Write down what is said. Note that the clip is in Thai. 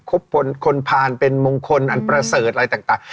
คนพานเป็นมงคลอันประเสริฐอะไรต่าง